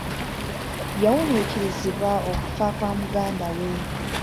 Yawuniikirizibwa okufa kwa mugandawe.